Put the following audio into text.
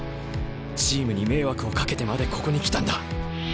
チームに迷惑をかけてまでここに来たんだ。